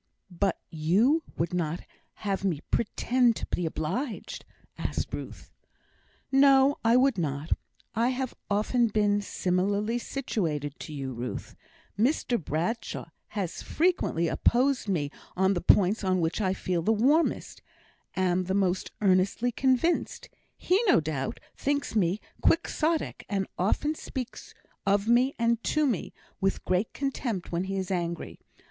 "But you would not have me pretend to be obliged?" asked Ruth. "No, I would not. I have often been similarly situated to you, Ruth; Mr Bradshaw has frequently opposed me on the points on which I feel the warmest am the most earnestly convinced. He, no doubt, thinks me Quixotic, and often speaks of me, and to me, with great contempt when he is angry.